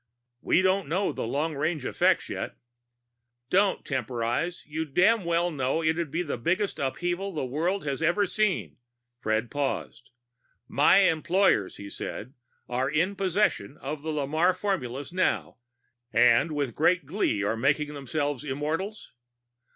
"We don't know the long range effects yet " "Don't temporize. You damned well know it'd be the biggest upheaval the world has ever seen." Fred paused. "My employers," he said, "are in possession of the Lamarre formulas now." "And with great glee are busy making themselves immortals."